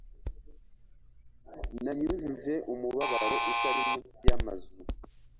Nanyujuje umubabaro utari munsi yamazu